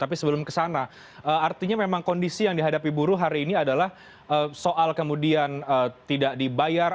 jadi kalau kita belum kesana artinya memang kondisi yang dihadapi buruh hari ini adalah soal kemudian tidak dibayar